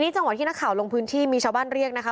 จังหวะที่นักข่าวลงพื้นที่มีชาวบ้านเรียกนะคะ